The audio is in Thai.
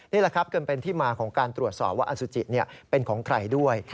นี่แหละครับจนเป็นที่มาของการตรวจสอบว่าอสุจิเป็นของใครด้วย